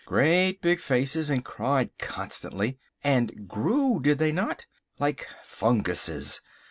Great big faces, and cried constantly! And grew, did they not? Like funguses!